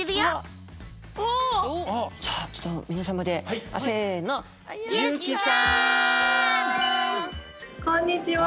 じゃあちょっと皆様でせの。由起さん！こんにちは。